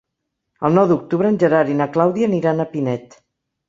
El nou d'octubre en Gerard i na Clàudia aniran a Pinet.